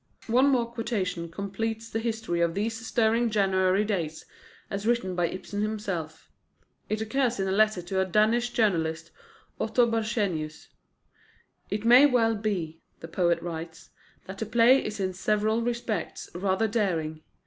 One more quotation completes the history of these stirring January days, as written by Ibsen himself. It occurs in a letter to a Danish journalist, Otto Borchsenius. "It may well be," the poet writes, "that the play is in several respects rather daring.